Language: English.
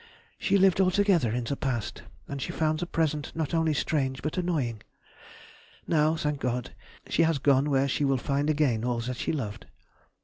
She lived altogether in the past, and she found the present not only strange but annoying. Now, thank God, she has gone where she will find again all that she loved.